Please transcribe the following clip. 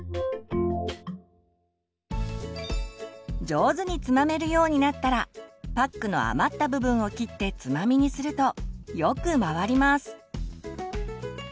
上手につまめるようになったらパックの余った部分を切ってつまみにするとよく回ります。